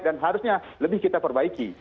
dan harusnya lebih kita perbaiki